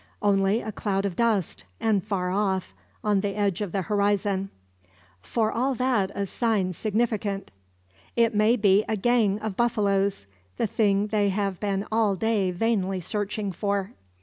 Only a cloud of dust, and far off on the edge of the horizon. For all that a sign significant. It may be a "gang" of buffaloes, the thing they have been all day vainly searching for.